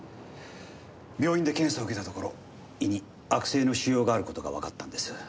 病院で検査を受けたところ胃に悪性の腫瘍がある事がわかったんです。